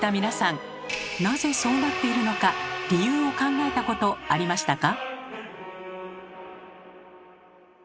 なぜそうなっているのか理由を考えたことありましたか？